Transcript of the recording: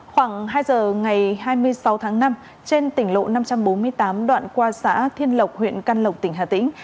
khoảng hai giờ ngày hai mươi sáu tháng năm trên tỉnh lộ năm trăm bốn mươi tám đoạn qua xã thiên lộc huyện căn lộc tỉnh hà tĩnh